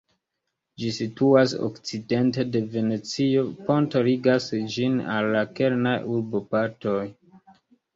Ĝi situas okcidente de Venecio; ponto ligas ĝin al la kernaj urbopartoj.